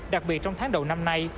đặc biệt trong tháng đầu năm nay